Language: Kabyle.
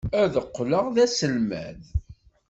Ad qqleɣ d aselmad.